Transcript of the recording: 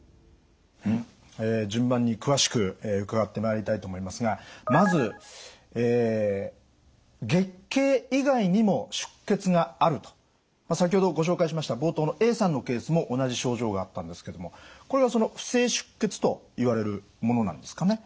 え順番に詳しく伺ってまいりたいと思いますがまず先ほどご紹介しました冒頭のＡさんのケースも同じ症状があったんですけどもこれがその不正出血といわれるものなんですかね？